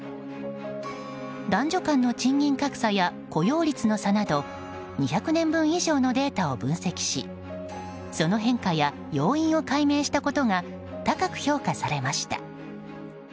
男女間の賃金格差や雇用率の差など２００年分以上のデータを分析しその変化や要因を解明したことが高く評価されました。